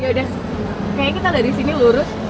ya udah kayaknya kita dari sini lurus